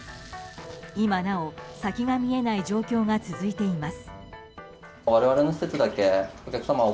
今なお、先が見えない状況が続いています。